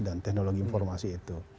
dan teknologi informasi itu